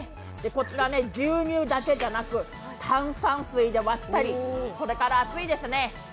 こちら、牛乳だけじゃなく炭酸水で割ったりこれから暑いですね